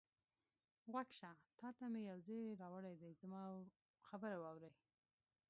غوږ شه، تا ته مې یو زېری راوړی دی، زما خبره واورئ.